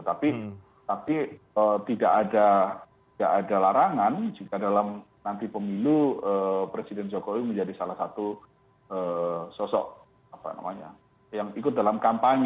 tapi tidak ada larangan jika dalam nanti pemilu presiden jokowi menjadi salah satu sosok yang ikut dalam kampanye